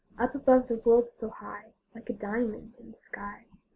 Up above the world so high, Like a diamond in the sky.